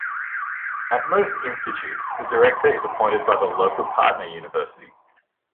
At most Institutes, the director is appointed by the local partner university.